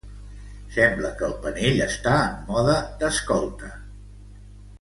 Sembla que el panell està en mode d'escolta.